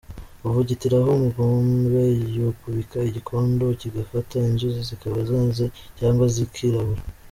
Avugutiraho umugombe, yakubika igikondo kigafata inzuzi zikaba zeze cyangwa zikirabura.